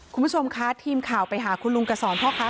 คุณผู้ชมคะทีมข่าวไปหาคุณลุงกระสอนพ่อค้า